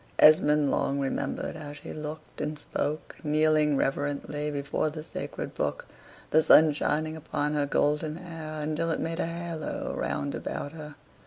Esmond long remembered how she looked and spoke, kneeling reverently before the sacred book, the sun shining upon her golden hair until it made a halo round about her.